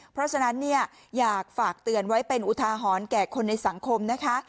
เพราะฉะนั้นเนี่ยอยากฝากเตือนไว้เป็นอุทาหรณ์แก่คนในสังคมนะคะ